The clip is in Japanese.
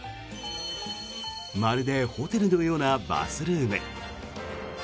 まるでホテルのようなバスルーム。